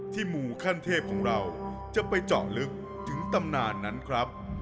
หมู่ขั้นเทพของเราจะไปเจาะลึกถึงตำนานนั้นครับ